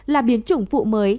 là biến chủng phụ mới